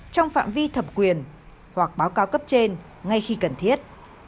trong phạm vi thẩm quyền hoặc báo cáo cấp trên ngay khi cần thiết